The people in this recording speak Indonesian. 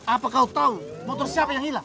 apa kau tahu motor siapa yang hilang